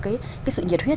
cái sự nhiệt huyết